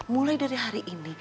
mulai dari hari ini